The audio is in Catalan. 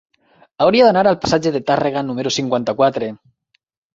Hauria d'anar al passatge de Tàrrega número cinquanta-quatre.